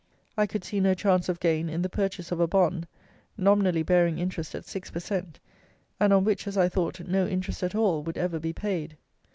I could see no chance of gain in the purchase of a bond, nominally bearing interest at six per cent., and on which, as I thought, no interest at all would ever be paid.